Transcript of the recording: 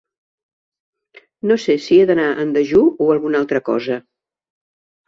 No sé si he d'anar en dejú o alguna altra cosa.